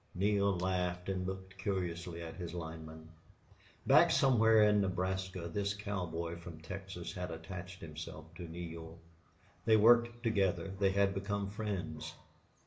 Neale laughed and looked curiously at his lineman. Back somewhere in Nebraska this cowboy from Texas had attached himself to Neale. They worked together; they had become friends.